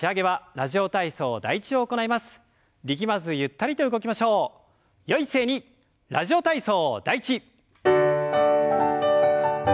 「ラジオ体操第１」。